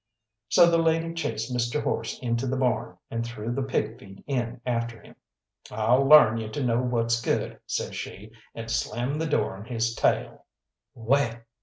So the lady chased Mr. Horse into the barn, and threw the pig feed in after him. "I'll larn you to know what's good," says she, and slammed the door on his tail. "Well!"